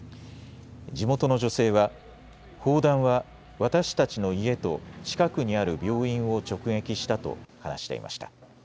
地元の女性は砲弾は私たちの家と近くにある病院を直撃したと話していました。